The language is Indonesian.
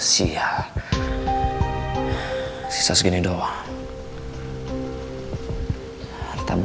tadi gak ada uangniejs pake hematin